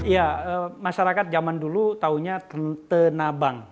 ya masyarakat zaman dulu tahunya tenabang